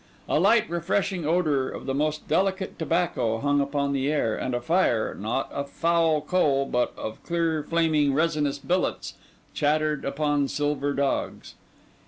A light, refreshing odour of the most delicate tobacco hung upon the air; and a fire, not of foul coal, but of clear flaming resinous billets, chattered upon silver dogs.